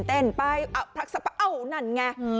เต้นไปพลักษณะอ้าวนั่นไง